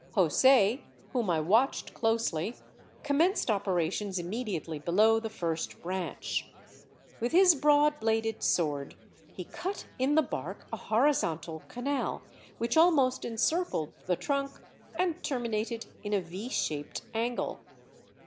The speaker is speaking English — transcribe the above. "José, whom I watched closely, commenced operations immediately below the first branch. With his broad bladed sword he cut in the bark a horizontal canal which almost encircled the trunk and terminated in a V shaped angle.